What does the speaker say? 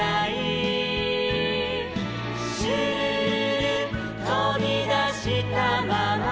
「シュルルルとびだしたまま」